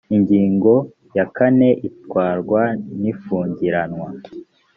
ingingo ya kane itwarwa n ifungiranwa